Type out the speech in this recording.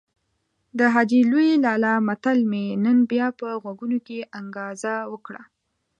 د حاجي لوی لالا متل مې نن بيا په غوږونو کې انګازه وکړه.